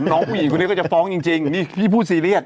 น้องผู้หญิงคนนี้ก็จะฟ้องจริงนี่พี่พูดซีเรียส